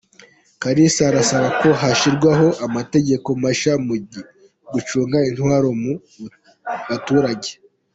Kalisa arasaba ko hashyirwaho amategeko mashya mu gucunga intwaro mu baturage